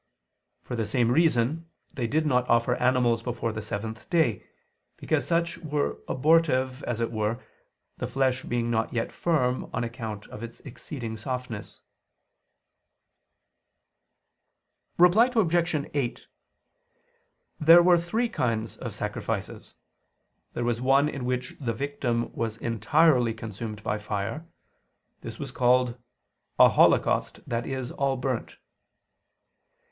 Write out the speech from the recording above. For the same reason they did not offer animals before the seventh day, because such were abortive as it were, the flesh being not yet firm on account of its exceeding softness. Reply Obj. 8: There were three kinds of sacrifices. There was one in which the victim was entirely consumed by fire: this was called "a holocaust, i.e. all burnt."